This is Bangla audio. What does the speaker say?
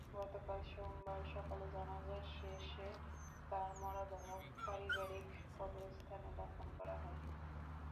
গতকাল সোমবার সকালে জানাজা শেষে তাঁর মরদেহ পারিবারিক কবরস্থানে দাফন করা হয়।